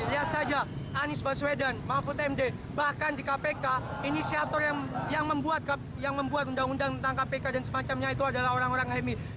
lihat saja anies baswedan mahfud md bahkan di kpk inisiator yang membuat undang undang tentang kpk dan semacamnya itu adalah orang orang hemi